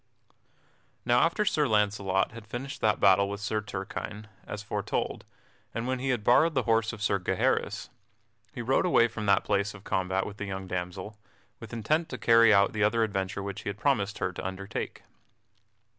_ Now after Sir Launcelot had finished that battle with Sir Turquine as aforetold, and when he had borrowed the horse of Sir Gaheris, he rode away from that place of combat with the young damsel, with intent to carry out the other adventure which he had promised her to undertake.